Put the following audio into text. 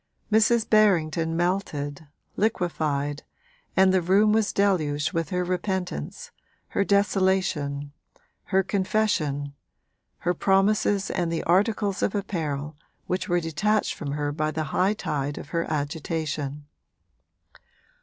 Mrs. Berrington melted, liquefied, and the room was deluged with her repentance, her desolation, her confession, her promises and the articles of apparel which were detached from her by the high tide of her agitation.